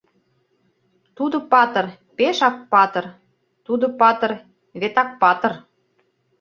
Тудо патыр — пешак патыр, тудо патыр — вет Акпатыр!